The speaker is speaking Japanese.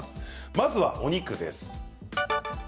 まずは、お肉です。